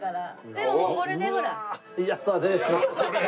でももうこれでほら。